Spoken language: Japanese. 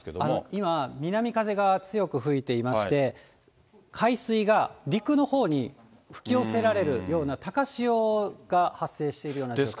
今、南風が強く吹いていまして、海水が陸のほうに吹き寄せられるような、高潮が発生しているような状況です。